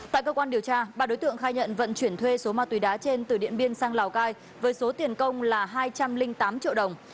tại cơ quan điều tra ba đối tượng khai nhận vận chuyển thuê số ma túy đá trên từ điện biên sang lào cai với số tiền công là hai trăm linh tám triệu đồng